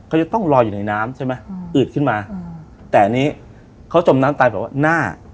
เขาจะต้องลอยอยู่ในน้ำใช่ไหมอืดขึ้นมาแต่อันนี้เขาจมน้ำตายแบบว่าหน้า